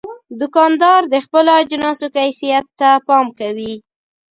دوکاندار د خپلو اجناسو کیفیت ته پام کوي.